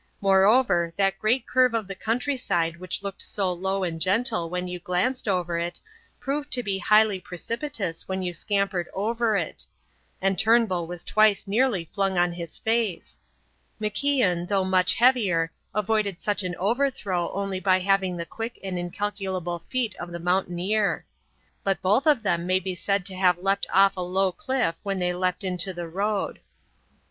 Moreover, that great curve of the countryside which looked so slow and gentle when you glanced over it, proved to be highly precipitous when you scampered over it; and Turnbull was twice nearly flung on his face. MacIan, though much heavier, avoided such an overthrow only by having the quick and incalculable feet of the mountaineer; but both of them may be said to have leapt off a low cliff when they leapt into the road.